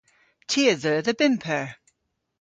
Ty a dheu dhe bymp eur.